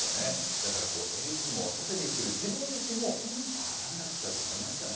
だからエイジズムを盾にする自分自身も改めなくっちゃと思いましたよね。